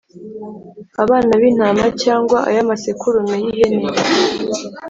abana b’intama cyangwa ay’amasekurume y’ihene.